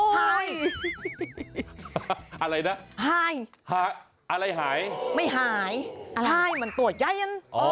หายหายอะไรหายไม่หายมันตัวใยอัน